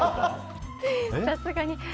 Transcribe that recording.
さすがに。